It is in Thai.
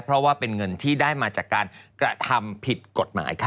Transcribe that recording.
เพราะว่าเป็นเงินที่ได้มาจากการกระทำผิดกฎหมายค่ะ